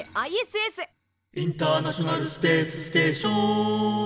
「インターナショナルスペースステーショーーン」